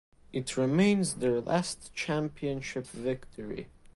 It remains their last championship victory.